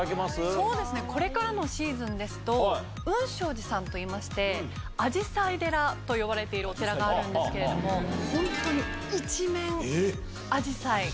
そうですね、これからもシーズンですと、雲昌寺さんといいまして、あじさい寺と呼ばれているお寺があるんですけれども、本当に一面あじさい。